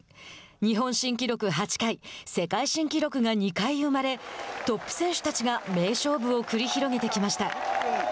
日本新記録８回世界新記録が２回生まれトップ選手たちが名勝負を繰り広げてきました。